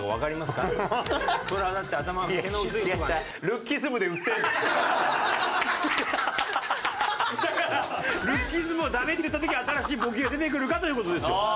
ルッキズムをダメって言った時新しいボケが出てくるかという事ですよ。